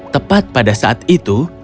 tepat pada saat itu